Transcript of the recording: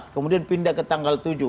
kemudian pindah ke tanggal tujuh